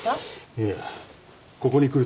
いやここに来る